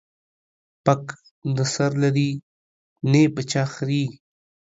پک نه سر لري ، نې په چا خريي.